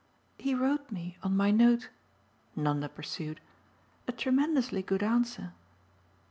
"He wrote me, on my note," Nanda pursued, "a tremendously good answer."